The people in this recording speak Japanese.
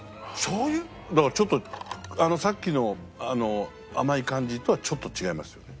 だからちょっとさっきの甘い感じとはちょっと違いますよね。